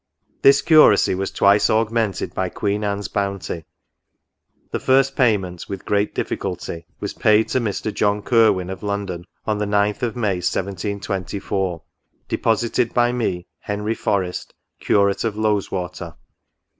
" This Curacy was twice augmented by Queen Anne's bounty. The first payment, with great difficulty, was paid F 2 68 NOTES. to Mr. John Curwen of London, on the 9th of May, 1724, deposited by me, Henry Forest, Curate of Lowes water.